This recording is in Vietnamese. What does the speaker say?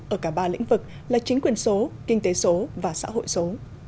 ở cả ba lĩnh vực là chính quyền số kinh tế số và xã hội số